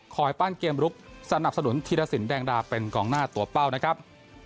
ปั้นเกมลุกสนับสนุนธีรสินแดงดาเป็นกองหน้าตัวเป้านะครับ